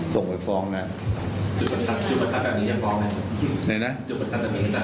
ส่งไปฟ้องแล้วจุดประทับจุดประทับแบบนี้ยังฟ้องเห็นไหม